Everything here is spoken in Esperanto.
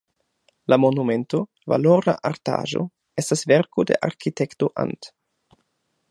La monumento, valora artaĵo, estas verko de arkitekto Ant.